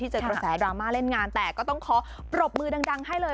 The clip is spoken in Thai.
เจอกระแสดราม่าเล่นงานแต่ก็ต้องขอปรบมือดังให้เลย